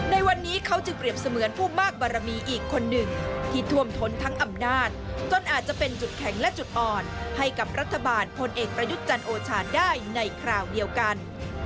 ในวันนี้เขาจึงเปรียบเสมือนผู้มากบารมีอีกคนหนึ่งที่ท่วมท้นทั้งอำนาจจนอาจจะเป็นจุดแข็งและจุดอ่อนให้กับรัฐบาลพลเอกประยุทธ์จันทร์โอชาได้ในคราวเดียวกัน